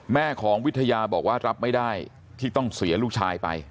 แม่ของวิทยาบอกว่ารับไม่ได้ที่ต้องเสียลูกชายไป